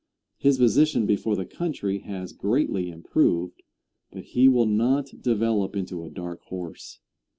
His position before the country has greatly improved, but he will not develop into a dark horse.